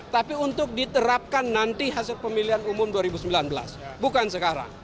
tapi untuk diterapkan nanti hasil pemilihan umum dua ribu sembilan belas bukan sekarang